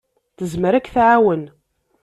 Tezmer ad k-tɛawen.